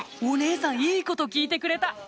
お姉さんいいこと聞いてくれた！